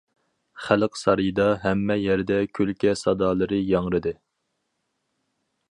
خەلق سارىيىدا ھەممە يەردە كۈلكە سادالىرى ياڭرىدى.